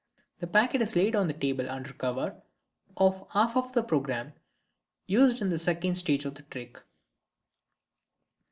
This packet is laid on the table under cover of the half of the programme used in the second stage of the trick.